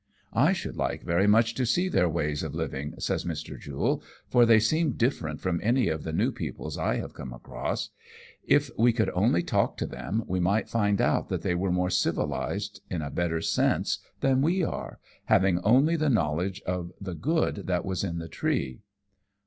"I should like very much to see their ways of living," says Mr, Jule, " for they seem different from any of the new peoples I have come across. If we could only talk to them we might find out that they were more civilized, in a better sense than we are, having only the knowledge of the good that was in the tree."